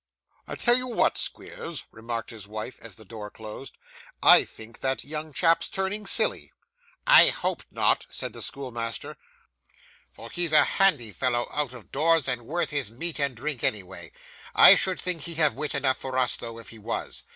'I'll tell you what, Squeers,' remarked his wife as the door closed, 'I think that young chap's turning silly.' 'I hope not,' said the schoolmaster; 'for he's a handy fellow out of doors, and worth his meat and drink, anyway. I should think he'd have wit enough for us though, if he was.